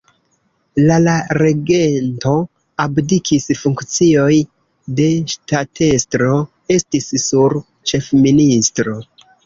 La la regento abdikis, funkcioj de ŝtatestro estis sur ĉefministro.